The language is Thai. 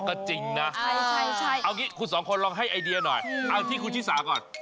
ก็จริงน่ะเอาคิดคุณสองคนตามนี่คุณชีสาก่อน